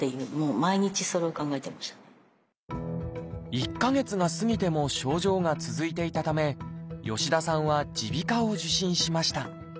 １か月が過ぎても症状が続いていたため吉田さんは耳鼻科を受診しました。